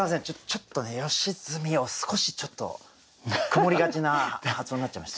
ちょっとね「良純」を少しちょっと曇りがちな発音になっちゃいました。